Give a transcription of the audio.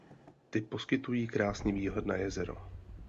Ty poskytují krásný výhled na jezero.